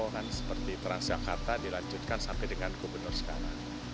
kan seperti transjakarta dilanjutkan sampai dengan gubernur sekarang